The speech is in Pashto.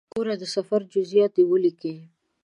ګوره د سفر جزئیات دې ولیکې.